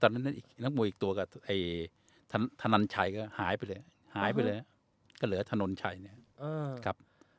นักมวยอีกตัวกับธนันชัยก็หายไปเลยหายไปเลยก็เหลือถนนชัยนะครับ